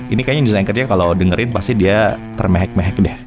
ini kayaknya desainernya kalau dengerin pasti dia termehek mehek deh